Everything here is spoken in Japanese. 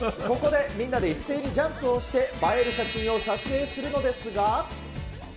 ここで、みんなで一斉にジャンプをして、映える写真を撮影するのですが。